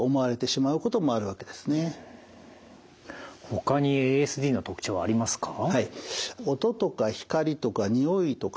ほかにＡＳＤの特徴はありますか？